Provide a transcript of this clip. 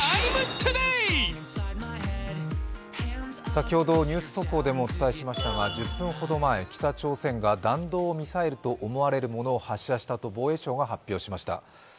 先ほどニュース速報でもお伝えしましたが１０分ほど前、北朝鮮が弾道ミサイルと思われるものを発射したと防衛省が発表しました。